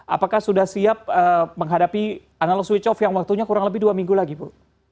apakah sudah siap menghadapi analog switch off yang waktunya kurang lebih dua minggu lagi bu